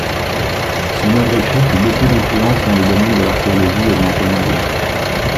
Son œuvre écrite eut beaucoup d'influence dans les domaines de l'archéologie et de l'entomologie.